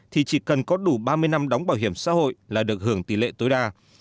thì chỉ cần có đủ ba mươi năm đóng bảo hiểm xã hội là được hưởng tỷ lệ tối đa